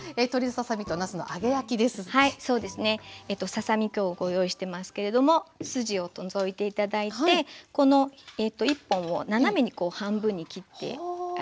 ささ身今日ご用意してますけれども筋を除いて頂いてこの１本を斜めにこう半分に切ってあります。